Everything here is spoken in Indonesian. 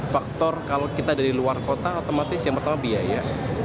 faktor kalau kita dari luar kota otomatis yang pertama biaya